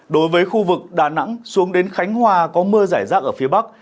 đối với khu vực đà nẵng xuống đến khánh hòa có mưa giải rác ở phía bắc